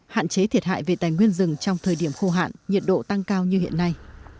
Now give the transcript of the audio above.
hạn chế thiệt hại về tài nguyên rừng trong thời điểm khô hạn nhiệt độ tăng cao như hiện nay